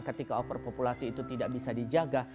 ketika overpopulasi itu tidak bisa dijaga